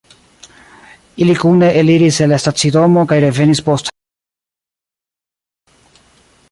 Ili kune eliris el la stacidomo kaj revenis post ĉirkaŭ du horoj.